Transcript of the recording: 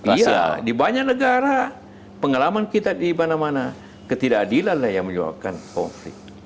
iya di banyak negara pengalaman kita di mana mana ketidakadilan lah yang menyebabkan konflik